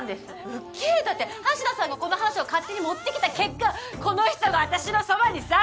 受け入れたって橋田さんがこの話を勝手に持ってきた結果この人が私のそばにさ。